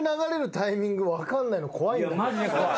いやマジで怖い。